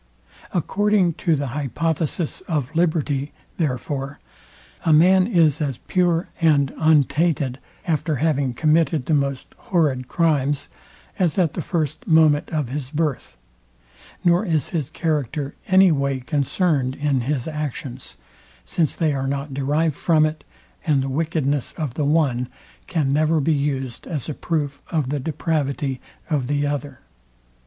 According to the hypothesis of liberty, therefore, a man is as pure and untainted, after having committed the most horrid crimes, as at the first moment of his birth, nor is his character any way concerned in his actions; since they are not derived from it, and the wickedness of the one can never be used as a proof of the depravity of the other.